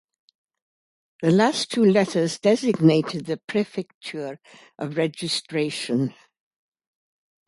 The last two letters designated the prefecture of registration.